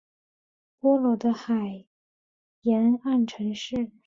波罗的海沿岸城市。